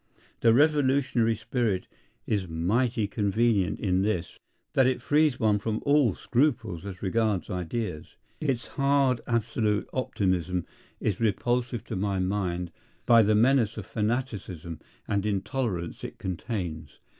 The revolutionary spirit is mighty convenient in this, that it frees one from all scruples as regards ideas. Its hard, absolute optimism is repulsive to my mind by the menace of fanaticism and intolerance it contains.